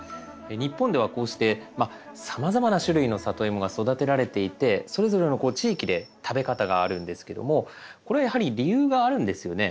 日本ではこうしてさまざまな種類のサトイモが育てられていてそれぞれのこう地域で食べ方があるんですけどもこれはやはり理由があるんですよね？